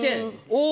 お！